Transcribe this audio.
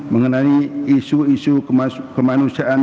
mengenai isu isu kemanusiaan